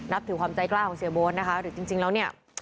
นับถือความใจกล้าของเสียบนหรือจริงแล้วเนี่ย